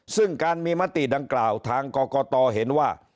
ซึ่งการมีมติดังกล่าวทางกรกตเห็นว่า